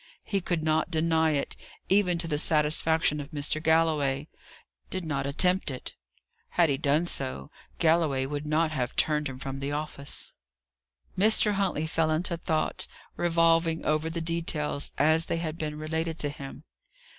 He could not deny it, even to the satisfaction of Mr. Galloway: did not attempt it; had he done so, Galloway would not have turned him from the office." Mr. Huntley fell into thought, revolving over the details, as they had been related to him.